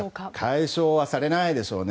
解消はされないでしょうね。